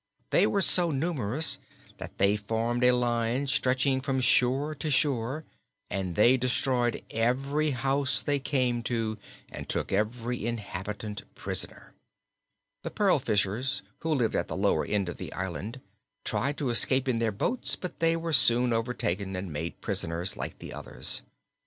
They were so numerous that they formed a line stretching from shore to shore and they destroyed every house they came to and took every inhabitant prisoner. The pearl fishers who lived at the lower end of the island tried to escape in their boats, but they were soon overtaken and made prisoners, like the others.